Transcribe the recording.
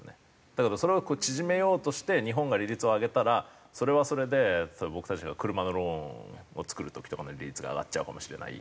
だけどそれを縮めようとして日本が利率を上げたらそれはそれで僕たちが車のローンを作る時とかの利率が上がっちゃうかもしれない。